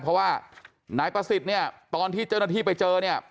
เพราะว่านายประสิทธิ์เนี่ยตอนที่เจ้าหน้าที่ไปเจอเนี่ย